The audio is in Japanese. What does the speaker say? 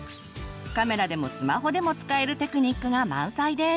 カメラでもスマホでも使えるテクニックが満載です！